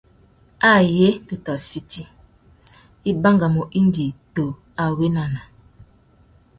Ayé tu tà fiti, i bangamú indi tu awénana.